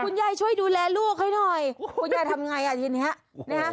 คุณยายช่วยดูแลลูกให้หน่อยคุณยายทำไงอ่ะทีนี้